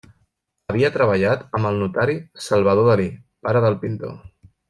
Havia treballat amb el notari Salvador Dalí, pare del pintor.